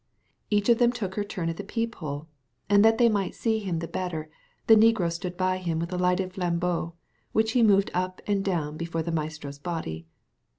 Each of them took her turn at the peephole, and that they might see him the better, the negro stood by him with a lighted flambeau, which he moved up and down before the maestro's body.